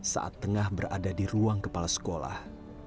saat tengah berada di ruang kepala sekolah